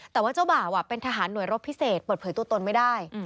แต่ว่าเจ้าบ่าวเป็นทหารหน่วยรบพิเศษเปิดเผยตัวตนไม่ได้